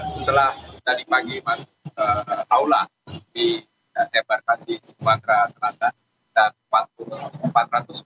setelah tadi pagi masuk ke aula di embarkasi sumatera selatan